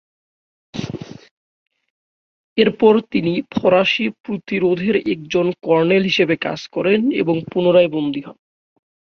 এরপর তিনি ফরাসি প্রতিরোধের একজন কর্নেল হিসেবে কাজ করেন এবং পুনরায় বন্দী হন।